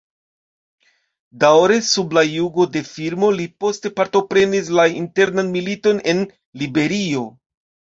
Daŭre sub la jugo de Firmo, li poste partoprenis la internan militon en Liberio.